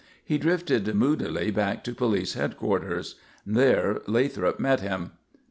He drifted moodily back to police headquarters. There Lathrop met him.